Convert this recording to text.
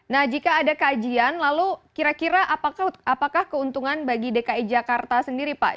nah jika ada kajian lalu kira kira apakah keuntungan bagi dki jakarta sendiri pak